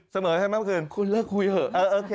เขาไม่ค่อยมีตังค์